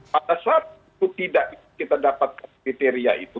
pada saat itu tidak kita dapatkan kriteria itu